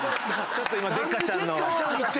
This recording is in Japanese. ちょっと今デッカチャンの。